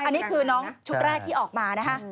อันนี้คือน้องชุดแรกที่ออกมานะคะ